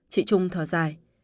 chị trung thở dài